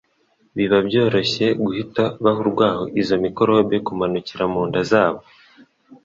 biba byoroshye guhita baha urwaho izo mikorobe kumanukira mu nda zabo.